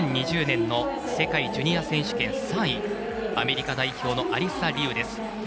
２０２０年の世界ジュニア選手権３位アメリカ代表のアリサ・リウ。